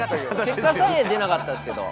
結果さえ出なかったですけど。